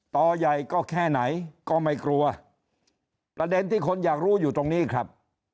ต่อใหญ่ก็แค่ไหนก็ไม่กลัวประเด็นที่คนอยากรู้อยู่ตรงนี้ครับ